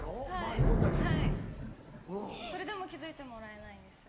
はいそれでも気付いてもらえないんです。